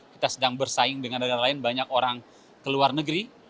kita sedang bersaing dengan daerah lain banyak orang ke luar negeri